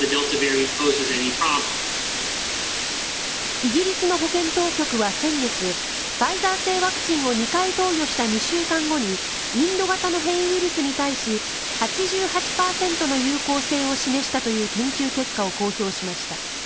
イギリスの保健当局は先月ファイザー製ワクチンを２回投与した２週間後にインド型の変異ウイルスに対し８８％の有効性を示したという研究結果を公表しました。